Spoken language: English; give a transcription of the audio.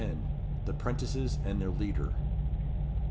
The 'prentices and their leader.